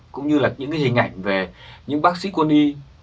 cũng như là những cái hình ảnh về những bác sĩ quân y